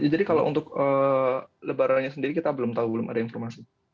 kalau untuk lebarannya sendiri kita belum tahu belum ada informasi